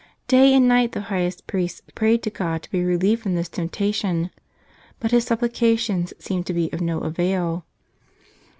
Day and night the pious priest prayed to God to be relieved from this temptation. But his supplications seemed to be of no avail.